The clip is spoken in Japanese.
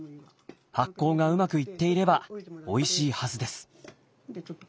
発酵がうまくいっていればおいしいはずです。